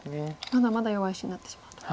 まだまだ弱い石になってしまうと。